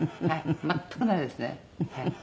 全くないですね。